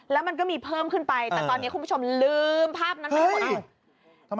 แล้วมันก็มีเพิ่มขึ้นไปแต่ตอนนี้คุณผู้ชมลืมภาพนั้นไปให้หมดแล้ว